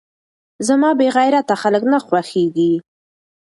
زما بې غيرته خلک نه خوښېږي .